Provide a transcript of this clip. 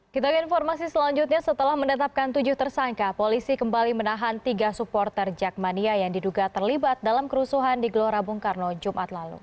kita ke informasi selanjutnya setelah mendatapkan tujuh tersangka polisi kembali menahan tiga supporter jakmania yang diduga terlibat dalam kerusuhan di gelora bung karno jumat lalu